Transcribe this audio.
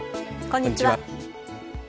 こんにちは。